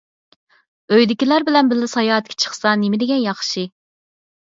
ئۆيدىكىلەر بىلەن بىللە ساياھەتكە چىقسا نېمىدېگەن ياخشى!